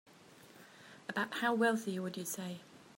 About how wealthy would you say?